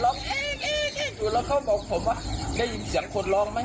ร้องอีกอีกอีกอยู่แล้วเขาบอกผมว่าได้ยินเสียงคนร้องไหม